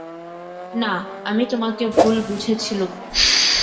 নাঃ, আমি তোমাকে ভুল বুঝেছিলুম।